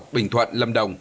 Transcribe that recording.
bình thuận lâm đồng